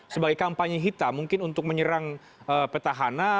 sebagai kampanye hitam mungkin untuk menyerang petahana